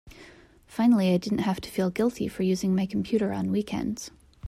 Finally I didn't have to feel guilty for using my computer on weekends.